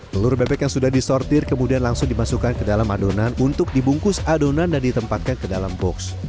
telur bebek yang sudah disortir kemudian langsung dimasukkan ke dalam adonan untuk dibungkus adonan dan ditempatkan ke dalam box